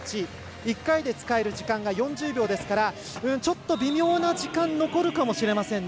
１回で使える時間が４０秒なのでちょっと微妙な時間残るかもしれませんね